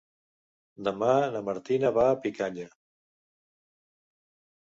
Demà na Martina va a Picanya.